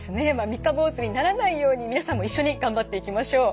三日坊主にならないように皆さんも一緒に頑張っていきましょう。